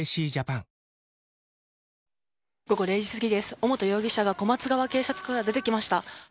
尾本容疑者がこまつがわ警察署から出てきました。